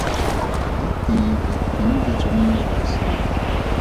Di tiile mme di tsoma bosigo.